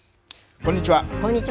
こんにちは。